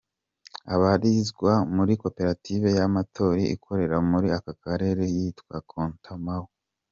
Abarizwa muri Koperative y’abamotari ikorera muri aka karere yitwa Cotamohu.